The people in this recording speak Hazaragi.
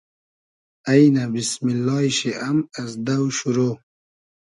اݷنۂ بیسمیللای شی ام از دۆ شورۆ